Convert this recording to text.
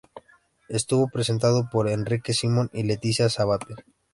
Estuvo presentado por Enrique Simón y Leticia Sabater.